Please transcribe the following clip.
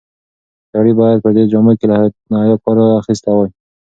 سړی باید په دې جامو کې له حیا کار اخیستی وای.